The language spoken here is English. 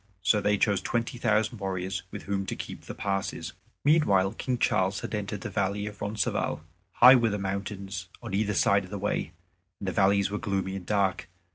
So they chose twenty thousand warriors with whom to keep the passes. Meanwhile King Charles had entered the valley of Roncesvalles. High were the mountains on either side of the way, and the valleys were gloomy and dark.